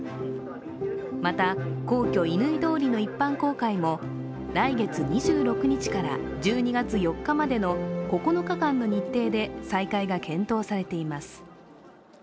また皇居・乾通りの一般公開も、来月２６日から１２月４日までの９日間の日程で再開が検討されています。